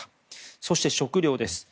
そして、食料です。